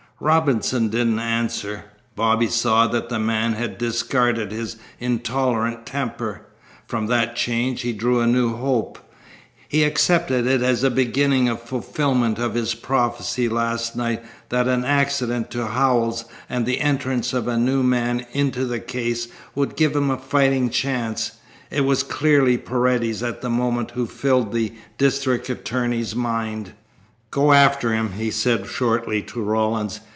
Robinson didn't answer. Bobby saw that the man had discarded his intolerant temper. From that change he drew a new hope. He accepted it as the beginning of fulfilment of his prophecy last night that an accident to Howells and the entrance of a new man into the case would give him a fighting chance. It was clearly Paredes at the moment who filled the district attorney's mind. "Go after him," he said shortly to Rawlins.